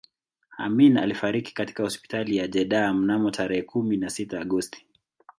Amin alifariki katika hospitali ya Jeddah mnamo tarehe kumi na sita Agosti